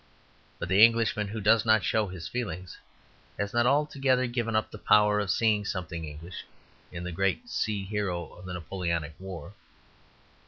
But the Englishman who does not show his feelings has not altogether given up the power of seeing something English in the great sea hero of the Napoleonic war.